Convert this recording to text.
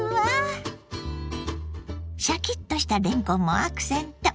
シャキッとしたれんこんもアクセント。